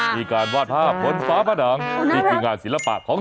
มีการวาดภาพบนฟ้าผนังนี่คืองานศิลปะของ